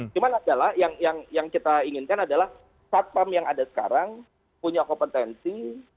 cuman adalah yang kita inginkan adalah satpam yang ada sekarang punya kompetensi